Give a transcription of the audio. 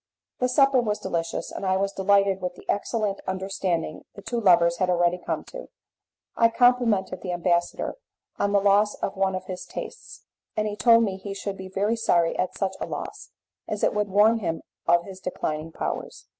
The supper was delicious, and I was delighted with the excellent understanding the two lovers had already come to. I complimented the ambassador on the loss of one of his tastes, and he told me he should be very sorry at such a loss, as it would warn him of his declining powers.